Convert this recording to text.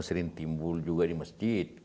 sering timbul juga di masjid